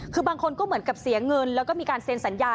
คือบางคนก็เหมือนกับเสียเงินแล้วก็มีการเซ็นสัญญา